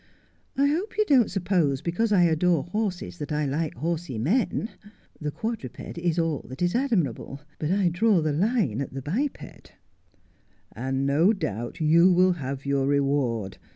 I hope you don't suppose because I adore horses that I like horsey men. The quadruped is all that is admirable ; but I draw the line at the biped '' And no doubt you will have your reward.